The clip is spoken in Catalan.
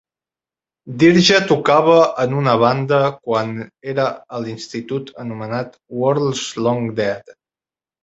Dirge tocava en una banda quan era a l'institut anomenada Worlds Long Dead.